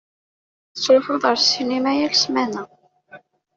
Tettṛuḥuḍ ar ssinima yal ssmana.